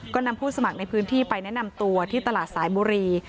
ก็นำผู้สมัครในพื้นที่ไปแนะนำตัวที่ตลาดสายบุรี